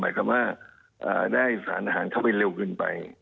หมายความว่าได้สารอาหารเข้าไปเร็วเกินไป